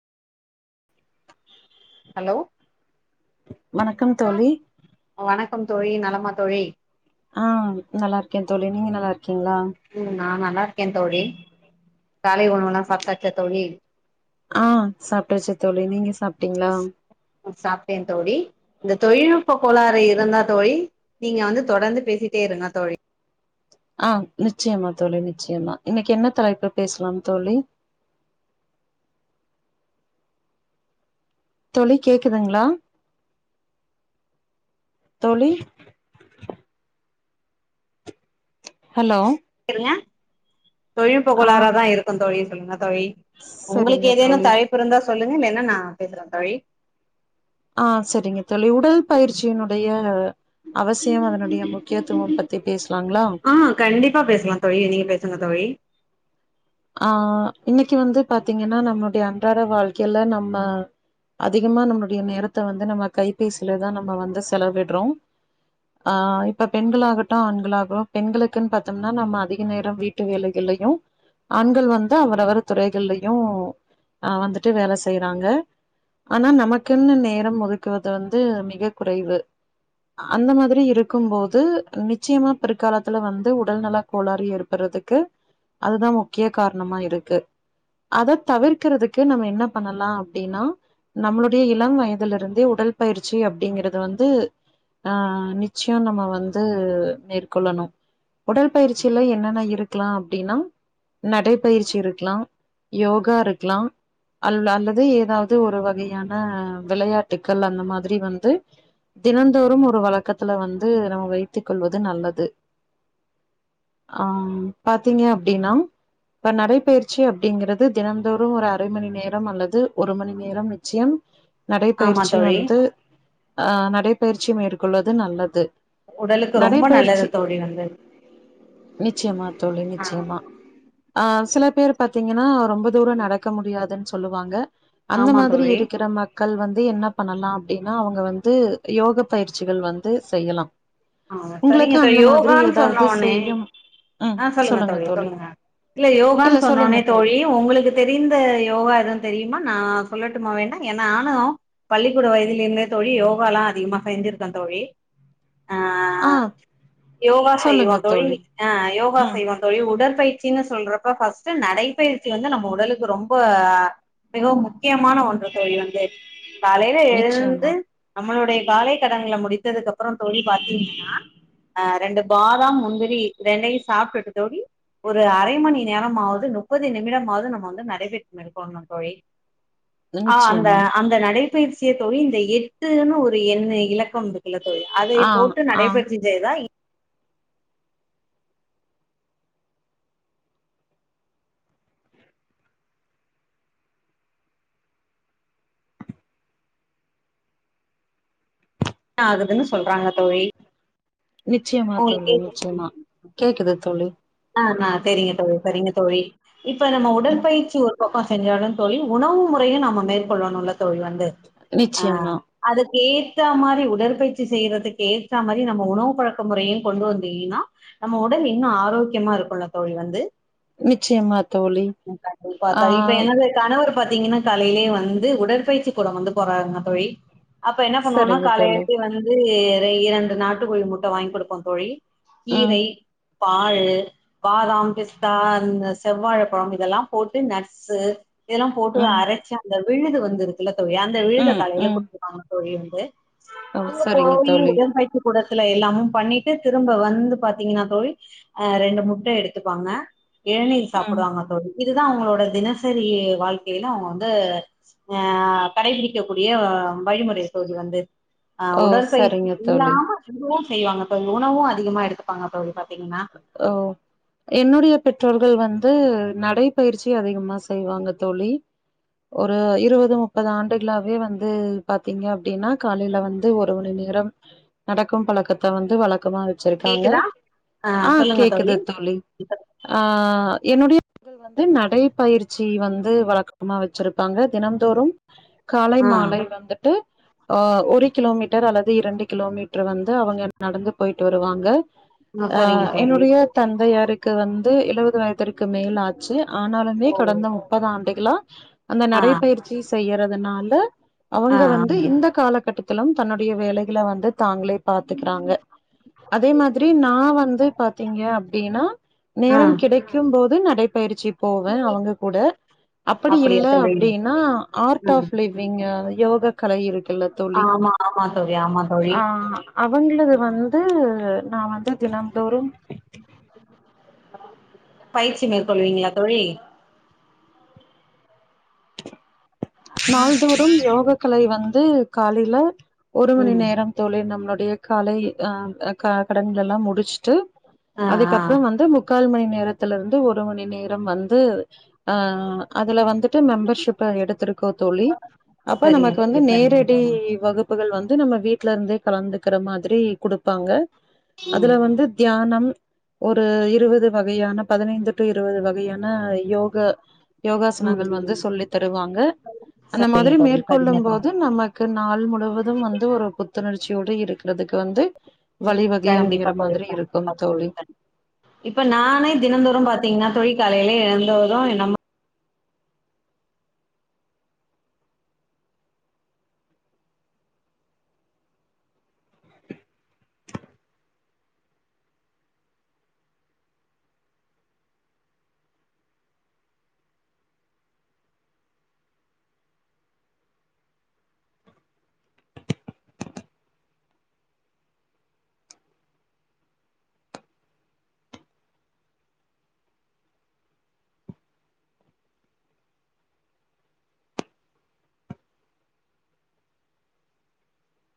Hello வணக்கம் தோழி வணக்கம் தோழி நலமா தோழி ஆஹ் நல்லா இருக்கே தோழி நீங்க நல்லா இருக் கீங்களா ம் நா நல்லாருக்கே தோழி காலை உணவெல்லா சாப்ட்டாச்சா தோழி ஆ சாப்ட்டாச்சு தோழி நீங்க சாப்ட்டீங்களா சாப்ட்டே தோழி இந்த தொழில்நுட்ப கோளாறு இருந்தா தோழி நீங்க வந்து தொடர்ந்து பேசிட்டே இருங்க தோழி ஆஹ் நிச்சயமா தோழி நிச்சயமா இன்னைக்கு என்ன தலைப்பு பேசலாம் தோழி தோழி கேக்குதுங்களா தோழி ஹலோ ருங்க தொழிநுட்ப ஆ கோளாரா தா இருக்குந் தோழி ங்க தோழி உங்களுக்கு சரிங்க ஏதேனு தோழி தலைப்பு இருந்தா சொல்லுங்க இல்லனா நா பேசறே தோழி ஆஹ் சரிங்க தோழி உடல் பயிற்சியினுடைய அவசியம் அதனுடைய முக்கியத்துவம் பத்தி பேசலாங்களா ஆ ழி ஆஹ் இன்னைக்கு வந்து பாத்தீங்கன்னா நம்மளுடைய அன்றாட வாழ்க்கையில நம்ம அதிகமா நம்மளுடைய நேரத்தை வந்து நம்ம கைபேசிலதா நம்ம வந்து செலவிடறோ ஆஹ் இப்ப பெண்களாகட்டு ஆண்களாக பெண்களுக்குன்னு பாத்தம்னா நம்ம அதிக நேர வீட்டு வேலைகலயு ஆண்கள் வந்து அவரவர் துறைகள்லயு ஆஹ் வந்துட்டு வேல செய்யறாங்க ஆனா நமக்குன்னு நேரம் ஒதுக்குவது வந்து மிக குறைவு அந்த மாதிரி இருக்கும் போது நிச்சயமா பிற்காலத்துல வந்து உடல்நல கோளாறு ஏற்படறதுக்கு அதுதா முக்கிய காரணமா இருக்கு அத தவிர்க்கறதுக்கு நம்ம என்ன பண்ணலா அப்படின்னா நம்மளுடைய இளம் வயதுல இருந்தே உடல்பயிற்சி அப்படிங்கறது வந்து ஆஹ் நிச்சயம் நம்ம வந்து மேற்கொள்ளணு உடல் பயிற்சியில என்னென்ன இருக்கலா அப்படின்னா நடைபயிற்சி இருக்கலா யோகா இருக்கலா அல்ல அல்லது ஏதாவது ஒரு வகையான விளையாட்டுகள் அந்த மாதிரி வந்து தினந்தோறும் ஒரு வழக்கத்துல வந்து நம்ம வைத்துக் கொள்வது நல்லது ஆம் பாத்தீங்க அப்படின்னா இப்ப நடைபயிற்சி அப்படிங்கறது தினந்தோறுஒரு அரை மணி நேரம் அல்லது ஒரு மணி நேரம் நிச்சயம் ஆமா நடைபயிற்சி தோழி வந்து ஆஹ் நடைபயிற்சி மேற்கொள்வது நல்லது உடலுக்கு ரொம்ப நல்லது நடைப்பயிற்சி தோழி வந்து நிச்சயமா தோழி நிச்சயமா ஆஹ் சில பேர் பாத்தீங்கன்னா ரொம்ப தூர நடக்க முடியாதுன்னு சொ சொல்லுவாங்க அந்த ஆமா மாதிரி தோழி இரிக்கிற மக் கள் வந்து என்ன பண்ணலா அப்டின்னா அவங்க வந்து யோகப் பயிற்சிகள் வந்து செய்யலா ஆஹ் சரிங்க தோழி யோகான்னு சொன்ன உடனே செய்யும் ஆஹ் சொல்லுங்க தோழி சொல்லுங்க அ இல்ல யோகான்னு சொன்னோனே தோழி உங்களுக்கு தெரிந்த யோகா எதுவு தெரியுமா நா சொல்லட்டுமா வேண்ணா ஏன்னா நானு பள்ளிக்கூட வயதிலிருந்தே தோழி யோகாலா அதிகமா செஞ்சிருக்க தோழி அ ஆ யோகா செய்வோ தோழி ஆஹ் யோகா ம் செய்வோ தோழி உடற்பயிற்சின்னு சொல்றப் அப்ப ஃபஸ்ட் நடைபயிற்சி வந்து நம்ம உடலுக்கு ரொம்ப அ மிகவும் முக்கியமான ஒன்று தோழி வந்து காலையில நிச்சயமா, எழுந்து நம்மளுடைய காலை கடங்கள முடித்ததுக்கு அப்றோ தோழி பாத்தீங்கன்னா ரெண்டு பாதாம் முந்திரி ரெண்டையு சாப்ட்டுட்டு தோழி ஒரு அரை மணி நேரமாவது முப்பது நிமிடமாவது நம்ம வந்து நடைபயிற்சி மேற்க்கொள்ளுன்னு தோழி ஆஹ் அந்த நிச்சயமா. அந்த நடைப் பயிர்ச்சிய தோழி இந்த எட்டுன்னு ஒரு எண்ணு இலக்கம் இருக்குல தோழி அதைய ஆ, போட்டு ஆ நடைபயிற்சி செய்தால் என்ன ஆகுதுன்னு சொல்றாங்க தோழி நிச்சயமா உங்களுக்கு தோழி நிச்சயமா கேக்குது தோழி ஆஹ் நா செரிங்க தோழி செரிங்க தோழி இப்ப நம்ம உடல் பயிற்சி ஒர் ஒரு பக்கோ செஞ்சொன்ன தோழி உணவு முறையு நம்ம மேற்கொள்ளணுல தோழி வந் து ஆ நிச்சயமா, அது ஏத்த மாரி உடற்பயிற்சி செய்யறதுக்கு ஏத்த மாரி நம்ம உணவு பழக்க முறையு கொண்டு வந்தீங்னா நம்ம உடல் இன்னு ஆரோக் க்கியமா இருக்குல தோழி வந்து நிச்சயமாத் தோழி கண்டிப்பா ஆ தோழி இப்ப எனது கணவர் பாத்தீங்கன்னா காலையிலேயே வந்து உடற்பயிற்சி கூடம் வந்து போறாங்க தோழி அப்ப என்ன பண்ணுவோன்னா சரிங்க காலையில தோழி. எழுந்து வந்து எ இரண்டு நாட்டு கோழி முட்ட வாங்கி் குடுப்போ தோழி ம், கீரை பாலு பாதாம் பிஸ்தா அந்த செவ்வாழைபழோ இதெல்லா போட்டு நட்ஸு இதெல்லா போட்டு ம், அரைச்சு அந்த விழுது வந் வந்து இருக்குல அந்த விழுத ம், காலையில ம். குடுச்சிப் [inaudible] தோழி ஓ [unintelligible] சரிங்க அங்கபோயி தோழி உடற்பயிற்சி கூட வீட்ல எல்லாமு பண்ணிட்டு திரும்ப வந்து பாத்தீங்ன்னா தோழி் ஆ ரெண்டு முட்டா எடுத்துப்பாங்க எளநீர் ம். சாப்டுவாங்க தோழி இதுதா அவுங்களோட தினசரி வாழ்க்கையில அவுங்க வந்து அஹ் கடைபிடிக்க கூடிய வழிமுறை தோழி வந்து ஆஹ் ஓ உடற்பயிற்சி சரிங்க தோழி இல்லாம [unintelligible] செய்வாங்க தோழி உணவு அதிகமா எடுத்துப்பாங்க தோழி பாத்தீங்கன்னா ஓ என்னுடைய பெற்றோர்கள் வந்து நடைப்பயிற்சி அதிகமா செய்வாங்க தோழி ஒரு இருவது முப்பது ஆண்டுகுளாவே வந்து பாத்தீங்க அப்டின்னா காலேல வந்து ஒரு மணி நேரம் நடக்கும் பழக்கத்த வந்து வள க்கமா வச்சிருக்காங்க கேக்குதா ஆ ஆஹ் சொல்லுங்க கேக்குது தோழி ஆஹ் என்னுடைய வந்து நடை பயிற்சி வந்து வழக்கமா வச்சிருப்பாங்க தினம் தோறும் காலை ஆ மாலை வந்துட்டு அஹ் ஒரு கிலோமீட்டர் அல்லது இரண்டு கிலோமீட்டர் வந்து அவுங்க நடந்து போய்ட்டு வருவாங்க ஆ சரிங்க ஆஹ் தோழி என்னுடைய தந்தையாருக்கு வந்து எழுபது வயதிற்கு மேல் ஆச்சு ஆனாலுமே கடந்த முப்பது ஆண்டுகலா ஹ அந்த ஆ நடை பயிற்சி செய்யறது அதுனால ஆ அவுங்க வந்து இந்த காலகட்டத் திலும் தன்னுடைய வேலைகள வந்து தாங்களே பாத்துகுறாங்க அதே மாதிரி நா வந்து வந்து பாத்தீங்க அப்டின்னா ஆ நேரம் கிடைக்கும் போது து நடைபயிற்சி போவே அவுங்க கூட அப்படி இல்ல அப்படியா தோழி அப்டின்னா ஆர்ட் ஆப் லிவ்விங் யோக கலை இருக்குல்ல தோழி ஆமா ஆமா தோழி ஆமா தோழி ஆஹ் அவுங்ளுது வந்து நா வந்து தினம் தோறும் பயிற்சி மேற்கொள்வீங்ளா தோழி நாள்தோறும் யோக கலை வந்து காலேல ஒரு மணி ம் நேரம் தோழி நம்மளுடைய காலை ஆ ஆ கடன்கலலா முடிச் சுட்டு ஆ ஆ அதுக்கப்ரோ வந்து முக்கால் மணி நேரத்ல இருந்து ஒரு ஒரு மணி நேரம் வந்து ஆ அதுல வந்துட்டு மெம்பர்ஷிப் எடுத் துருக்கோ தோழி அப்ப சரிங்க நமக்கு வந்து தோழி சரிங்க நேரடி தோழி வகுப்புகள் வந்து வந்து நம்ம வீட்ல இருந்தே கலந்துக்கிற மாரி குடுப்பாங்க ம் அதுல ம் வந்து தியானம் ஒரு இருவது வகை கையான பதினைந்து டு இருவது வகையா ன யோக ம் யோகாசனங்கள் வந்து ம். சொல்லி தருவாங்க அந்த சரிங்க மாதிரி தோழி சரிங்க மேற்கொள்ளும் போது தோழி நமக்கு நாள் முழுவதும் வந்து ஒரு புத்துணர்ச்சியோடு இருக்குறதுக்கு வந்து வழிவகை கண்டிப்பா அமையிற தோழி மாதிரி இருக்கும் கண்டிப்பா கண் தோழி இப்ப நானே தினந்தோரோ பாத்தீங்கான்ன என்னா தோழி காலைலே எழுந்தது என்னம்மா